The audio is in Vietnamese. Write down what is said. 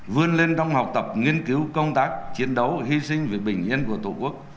vươn lên trong học tập nghiên cứu công tác chiến đấu hy sinh vì bình yên của tổ quốc